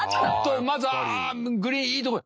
まずはグリーンいいとこ。